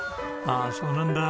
ああそうなんだ。